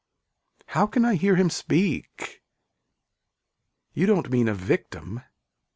How can I hear him speak. You don't mean a victim.